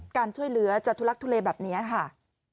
การช่วยเหลือจะทุลักทุเลแบบนี้ค่ะ